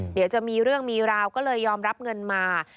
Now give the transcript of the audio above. เดี๋ยวจะมีเรื่องมีราวก็เลยยอมรับเงินมา